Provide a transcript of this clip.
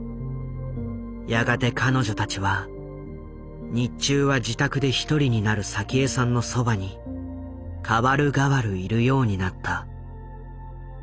やがて彼女たちは日中は自宅で一人になる早紀江さんのそばに代わる代わるいるようになった。